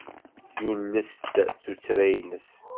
Yules-d tuttra-nnes.